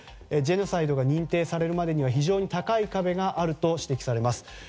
ジェノサイドが認定されるまでは非常に高い壁があると指摘されます。